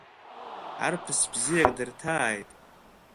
Арԥыс бзиак дырҭааит.